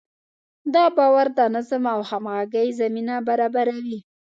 دا باور د نظم او همغږۍ زمینه برابروي.